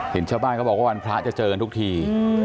เห็นชาวบ้านเขาบอกว่าวันพระจะเจอกันทุกที